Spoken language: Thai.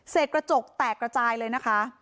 กระจกแตกระจายเลยนะคะ